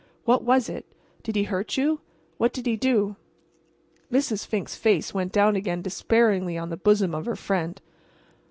What was it? Did he hurt you—what did he do?" Mrs. Fink's face went down again despairingly on the bosom of her friend.